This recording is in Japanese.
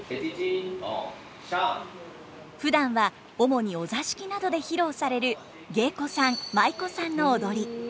ふだんは主にお座敷などで披露される芸妓さん舞妓さんの踊り。